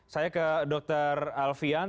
saya ke dokter alfian